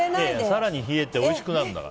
更に冷えておいしくなるんだから。